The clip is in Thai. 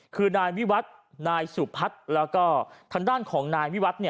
คือนายวิวัฒน์นายสุพัฒน์แล้วก็ทางด้านของนายวิวัฒน์